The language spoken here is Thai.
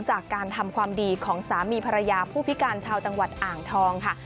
จากการทำความดีของสามีภรรยาผู้พิการชาวจังหวัดอ่างทองค่ะ